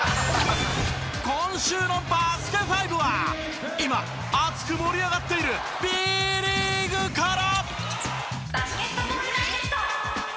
今週の『バスケ☆ＦＩＶＥ』は今熱く盛り上がっているＢリーグから。